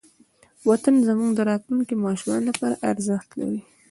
وطن زموږ د راتلونکې ماشومانو لپاره ارزښت لري.